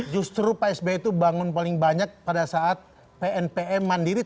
justru pak sby itu bangun paling banyak pada saat pnpm mandiri